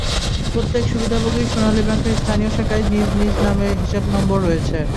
প্রত্যেক সুবিধাভোগীর সোনালী ব্যাংকের স্থানীয় শাখায় নিজ নামে হিসাব নম্বর রয়েছে।